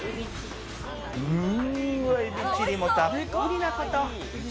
エビチリもたっぷりなこと。